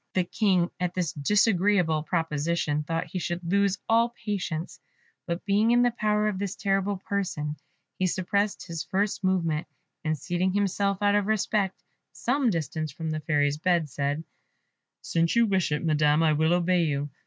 The King, at this disagreeable proposition, thought he should lose all patience, but being in the power of this terrible person he suppressed his first movement, and seating himself, out of respect, some distance from the Fairy's bed, said, "Since you wish it, Madam, I will obey you.